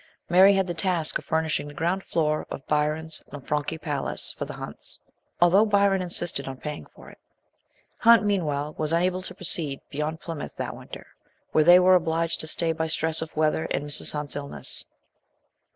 Mary had the task of furnishing the ground floor of LAST MONTHS WITH SHELLEY. 157 Byron's Laufranchi Palace for the Hunts, although Byron insisted on paying for it. Hunt, meanwhile, was unable to proceed beyond Plymouth that winter, where they were obliged to stay by stress of weather and Mrs. Hunt's illness.